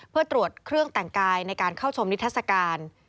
เพื่อตรวจเครื่องแต่งกายในการเข้าชมนิทัศกาล